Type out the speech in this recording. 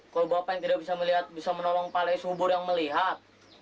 kalau bapak yang tidak bisa melihat bisa menolong palai subur yang melihat